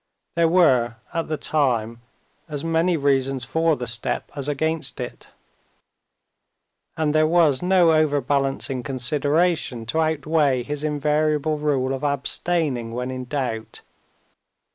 There were at the time as many reasons for the step as against it, and there was no overbalancing consideration to outweigh his invariable rule of abstaining when in doubt.